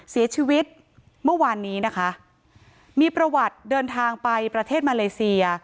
เสียชีวิตเมื่อวานนี้นะคะมีประวัติเดินทางไปประเทศมาเลเซีย